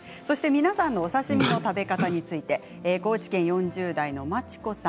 皆さんのお刺身の食べ方について高知県４０代の方です。